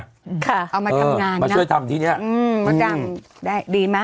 เอามาทำงานนะมาช่วยทำที่นี้